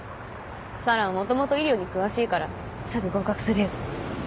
四朗は元々医療に詳しいからすぐ合格するよ。